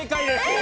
え